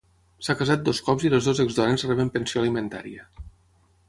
S'ha casat dos cops i les dues exdones reben pensió alimentària.